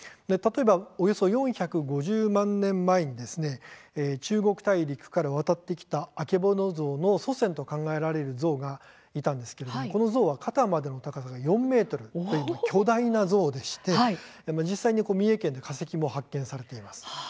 例えばおよそ４５０万年前に中国大陸から渡ってきたアケボノゾウの祖先と考えられるゾウがいたんですけれどもこのゾウは肩までの高さが４ｍと巨大なゾウでして実際に三重県で化石が発見されています。